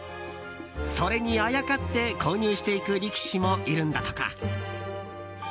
それにあやかって購入していく力士もいるんだとか。